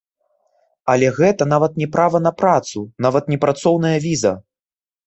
Але гэта нават не права на працу, нават не працоўная віза.